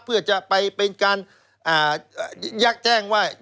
เพื่อจะไปเป็นการยักษ์แจ้งว่า